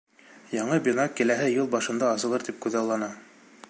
Яңы бина киләһе йыл башында асылыр тип күҙаллана.